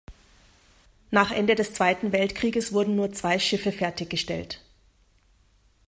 Nach Ende des Zweiten Weltkrieges wurden nur zwei Schiffe fertiggestellt.